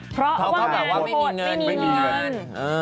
เพราะว่างานโฆษ์ไม่มีเงิน